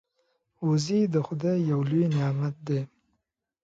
وزې د خدای یو لوی نعمت دی